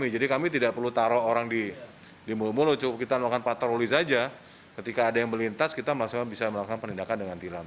jadi kami tidak perlu taruh orang di mulut mulut kita melakukan patroli saja ketika ada yang melintas kita langsung bisa melakukan penindakan dengan tilang